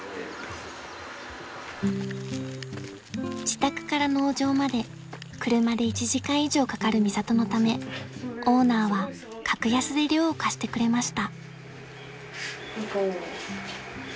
［自宅から農場まで車で１時間以上かかるミサトのためオーナーは格安で寮を貸してくれました］